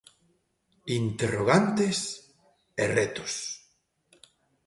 Interrogantes e retos.